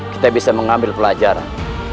kita bisa mengambil pelajaran